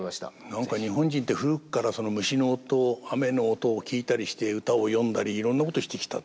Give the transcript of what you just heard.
何か日本人って古くから虫の音雨の音を聞いたりして歌を詠んだりいろんなことをしてきた。